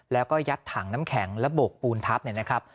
แล้วก็ยัดถังน้ำแข็งระบบปูนทัพนะครับ